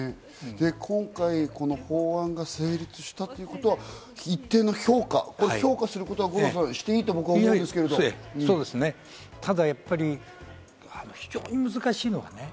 今回、この法案が成立したということは、一定の評価、評価することはしていいと僕は思うんですけど、五郎さん。